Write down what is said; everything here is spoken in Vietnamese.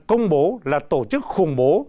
công bố là tổ chức khủng bố